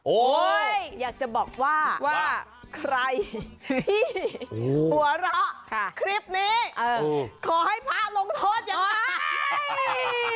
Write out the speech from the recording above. อยากจะบอกว่าว่าใครที่หัวเราะคลิปนี้ขอให้พระลงโทษยังไง